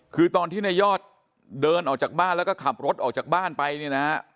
คือตอนที่ในยอดเดินออกจากบ้านแล้วก็ขับรถออกจากบ้านไปเนี่ยนะฮะ